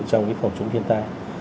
trong cái phòng chống thiên tai